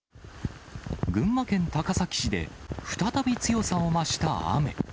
群馬県高崎市で、再び強さを増した雨。